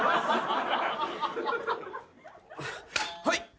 はい。